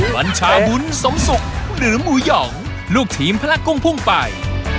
บัญชาบุญสมศุกร์หรือหมูหย่องลูกทีมพละกุ้งพุ่งไป